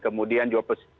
kemudian juga kesiapan